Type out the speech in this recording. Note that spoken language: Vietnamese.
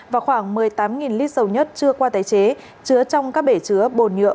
và khoảng một mươi tám lít dầu nhất chưa qua tái chế chứa trong các bể chứa bồn nhựa